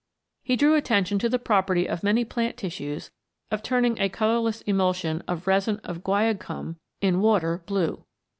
He drew attention to the property of many plant tissues of turning a colourless emul sion of resin of guaiacum in water blue.